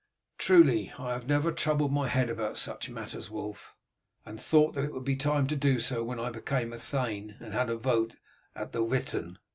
"Truly I have never troubled my head about such matters, Wulf, and thought that it would be time to do so when I became a thane, and had a vote at the Witan."